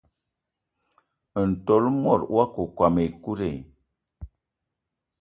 Ntol mot wakokóm ekut i?